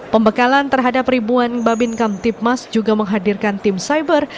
pembekalan terhadap ribuan babin kamtipmas juga menghadirkan tim cyber